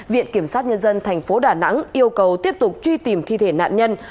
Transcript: viện kiểm sát nhân dân tp đà nẵng yêu cầu tiếp tục truy tìm thi thể nạn nhân